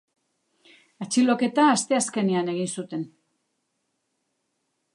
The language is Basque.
Atxiloketa asteazkenean egin zuten.